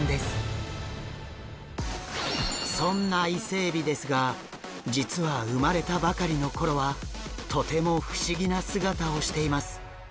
そんなイセエビですが実は生まれたばかりの頃はとても不思議な姿をしています。